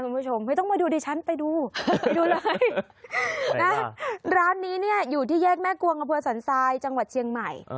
คุณผู้ชมไม่ต้องมาดูดิฉันไปดูไปดูเลยนะร้านนี้เนี่ยอยู่ที่แยกแม่กวงอำเภอสันทรายจังหวัดเชียงใหม่